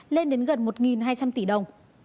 lên đến gần một hai trăm linh tỷ đồng